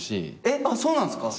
えっそうなんですか！？